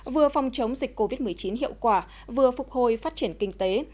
vừa phòng chống dịch covid một mươi chín hiệu quả vừa phục hồi phát triển kinh tế